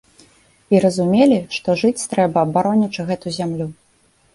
І разумелі, што жыць трэба, баронячы гэту зямлю.